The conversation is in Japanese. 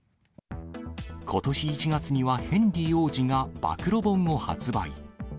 ことし１月にはヘンリー王子が暴露本を発売。